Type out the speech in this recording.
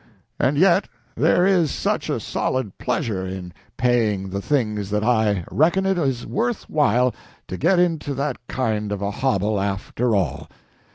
And yet there is such a solid pleasure in paying the things that I reckon it is worth while to get into that kind of a hobble, after all.